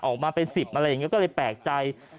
ออกมาเป็น๑๐แล้วก็เลยแปลกใจ